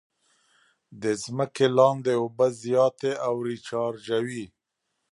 د ځمکې لاندې اوبه زیاتې او ریچارجوي.